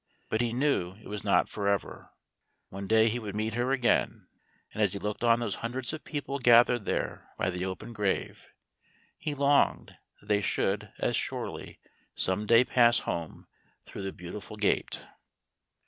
But he knew it was not for ever, one day he would meet her again; and as he looked on those hundreds of people gathered there by the open grave, he longed that they should, as surely, some day pass Home through the Beautiful Gate.